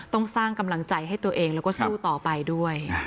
ต้องสร้างกำลังใจให้ตัวเองแล้วก็สู้ต่อไปด้วย